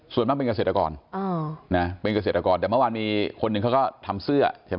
ส่วนมากเป็นเกษตรกรเป็นเกษตรกรแต่เมื่อวานมีคนหนึ่งเขาก็ทำเสื้อใช่ไหม